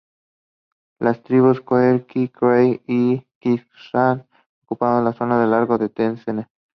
Las tribus cheroqui, creek y chickasaw ocuparon zonas a lo largo del Tennessee.